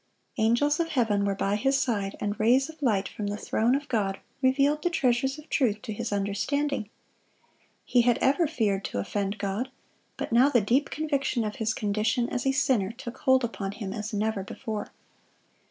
(160) Angels of heaven were by his side, and rays of light from the throne of God revealed the treasures of truth to his understanding. He had ever feared to offend God, but now the deep conviction of his condition as a sinner took hold upon him as never before.